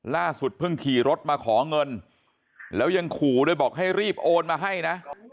ล่าสุดเพิ่งขี่รถมาขอเงินแล้วยังขู่ด้วยบอกให้รีบโอนมาให้นะ